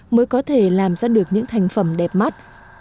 mới có thể làm ra được những sản phẩm đẹp đẹp